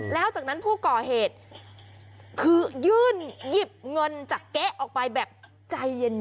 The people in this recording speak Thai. แล้วจากนั้นผู้ก่อเหตุคือยื่นหยิบเงินจากเก๊ะออกไปแบบใจเย็น